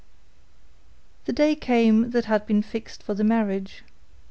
The day came that had been fixed for the marriage.